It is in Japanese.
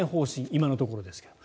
今のところですけど。